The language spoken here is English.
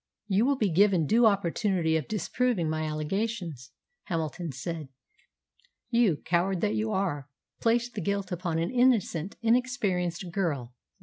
"You will be given due opportunity of disproving my allegations," Hamilton said. "You, coward that you are, placed the guilt upon an innocent, inexperienced girl.